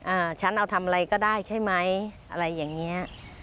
ฉันเอาทำอะไรก็ได้ใช่ไหมอะไรอย่างเงี้ย